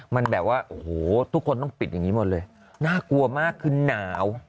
มันแบบว่าโอ้โหทุกคนต้องปิดอย่างนี้หมดเลยน่ากลัวมากคือหนาว